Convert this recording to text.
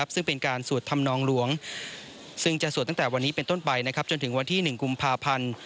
ซึ่งเป็นการสวดธรรมนองหลวงซึ่งจะสวดตั้งแต่วันนี้เป็นต้นไปจนถึงวันที่๑กุมภาพันธ์